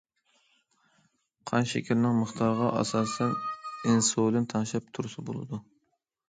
قان شېكىرىنىڭ مىقدارىغا ئاساسەن ئىنسۇلىن تەڭشەپ تۇرسا بولىدۇ.